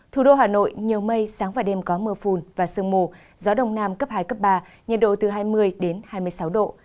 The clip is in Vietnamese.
thủ đô hà nội nhiều mây sáng và đêm có mưa phùn và sương mù gió đông nam cấp hai cấp ba nhiệt độ từ hai mươi hai mươi sáu độ